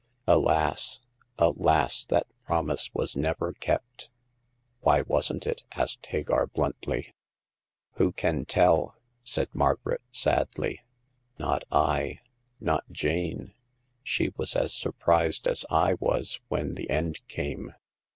Alas ! alas ! that promise was never kept." i64 Hagar of the Pawn Shop. " Why wasn't it ?" asked Hagar, bluntly. Who can tell ?" said Margaret, sadly. " Not I ; not Jane. She was as surprised as I was when the end came.